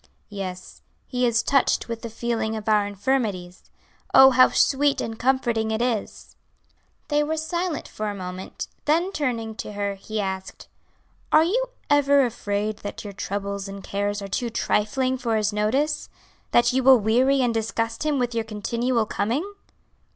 "Yes, He is touched with the feeling of our infirmities. Oh, how sweet and comforting it is!" They were silent for a moment; then turning to her, he asked, "Are you ever afraid that your troubles and cares are too trifling for His notice? that you will weary and disgust Him with your continual coming?"